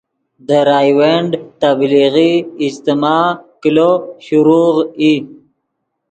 دے راؤنڈ تبلیغی اجتماع کلو شروغ ای